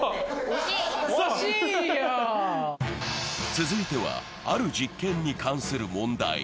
続いてはある実験に関する問題。